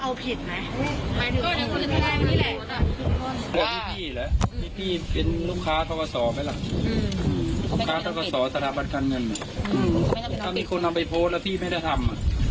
มีคนเอาไปโพสต์แล้วพี่ไม่ได้ทำ